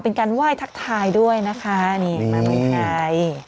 เป็นการไหว้ทักทายด้วยนะคะนี่มาเมืองไทย